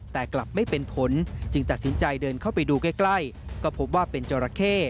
แต่กลับไม่เป็นผลจึงตัดสินใจเดินเข้าไปดูใกล้ก็พบว่าเป็นจราเข้